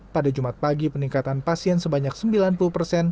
pada jumat pagi peningkatan pasien sebanyak sembilan puluh persen